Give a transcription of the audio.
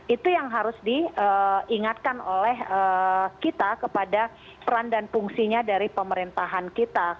itu yang harus diingatkan oleh kita kepada peran dan fungsinya dari pemerintahan kita